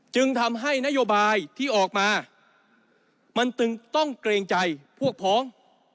จึงทำให้นโยบายที่ออกมามันจึงต้องเกรงใจพวกพ้อง